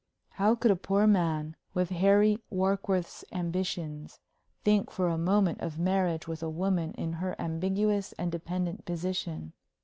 How could a poor man, with Harry Warkworth's ambitions, think for a moment of marriage with a woman in her ambiguous and dependent position?